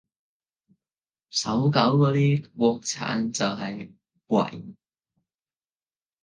搜狗嗰啲國產就係為